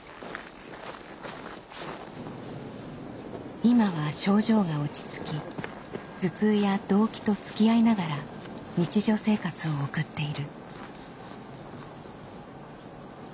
今は症状が落ち着き頭痛やどうきとつきあいながら日常生活を送っている。